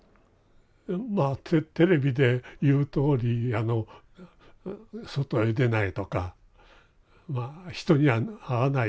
まあテレビで言うとおりあの外へ出ないとか人には会わない。